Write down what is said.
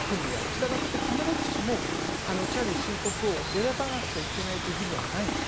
したがって必ずしもチャールズ新国王を選ばなくちゃいけないという義務はないんです。